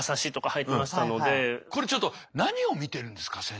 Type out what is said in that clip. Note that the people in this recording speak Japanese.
これちょっと何を見てるんですか先生。